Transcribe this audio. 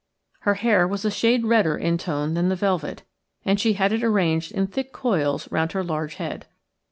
Her hair was a shade redder in tone than the velvet, and she had it arranged in thick coils round her large head.